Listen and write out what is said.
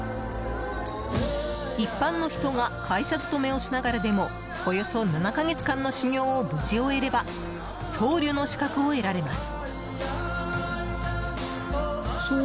一般の人が会社勤めをしながらでもおよそ７か月間の修行を無事終えれば僧侶の資格を得られます。